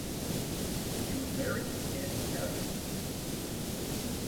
He was married to Annie Patterson.